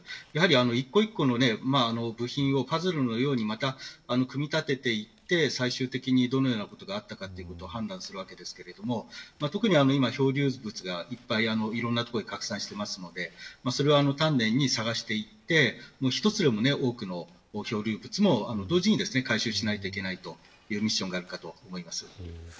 一つ一つの部品をパズルのように組み立てていって最終的にどのようなことがあったかを判断するわけですが特に今、漂流物がいろんな所に拡散していますからそれを丹念に探していって一つでも多くの漂流物を同時に回収しなければいけないミッションがあるかと思います。